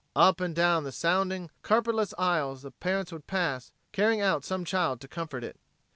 Up and down the sounding, carpetless aisles the parents would pass, carrying out some child to comfort it.